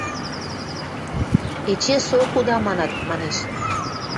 Эче со худа манат... – манеш.